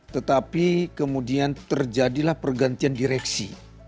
tetapi kemudian terjadilah pergantian direksi